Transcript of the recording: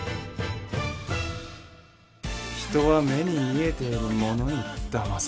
人は目に見えているものにだまされる。